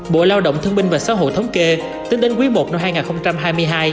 bộ lao động thương binh và xã hội thống kê tính đến quý i năm hai nghìn hai mươi hai